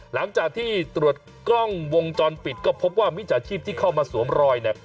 หลังจากที่ตรวจกล้องวงจรปิดก็พบว่ามิจฉาชีพที่เข้ามาสวมรอยเนี่ย